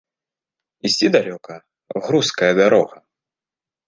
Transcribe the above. Ісці далёка, грузкая дарога.